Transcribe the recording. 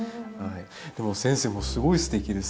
でも先生もすごいすてきです。